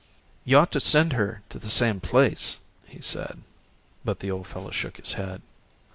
"You ought to send her to the same place," he said, but the old fellow shook his head.